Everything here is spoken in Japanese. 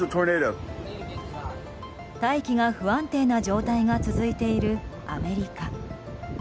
大気の不安定な状態が続いているアメリカ。